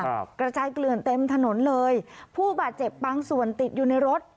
กระจายเกลื่อนเต็มถนนเลยผู้บาดเจ็บบางส่วนติดอยู่ในรถ